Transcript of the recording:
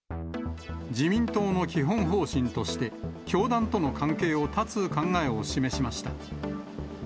自民党の基本方針として、教団との関係を絶つ考えを示しました。